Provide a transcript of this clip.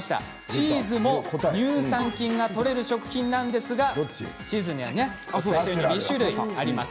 チーズも乳酸菌がとれる食品なんですがチーズにはね２種類あります。